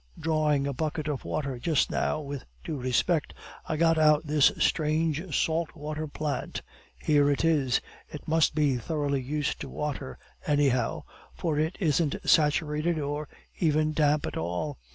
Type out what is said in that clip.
Drawing a bucket of water just now, with due respect, I got out this strange salt water plant. Here it is. It must be thoroughly used to water, anyhow, for it isn't saturated or even damp at all.